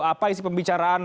apa isi pembicaraan anda